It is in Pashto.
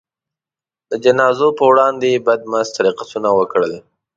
د جنازو په وړاندې یې بدمست رقصونه وکړل.